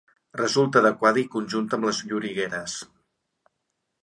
Resulta adequada i conjunta amb les llorigueres.